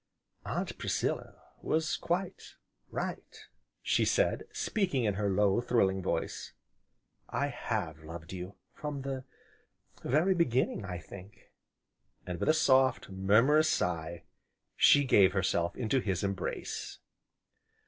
"Aunt Priscilla was quite right," she said, speaking in her low, thrilling voice, "I have loved you from the very beginning, I think!" And, with a soft, murmurous sigh, she gave herself into his embrace.